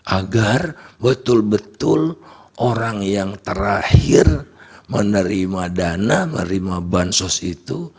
agar betul betul orang yang terakhir menerima dana menerima bansos itu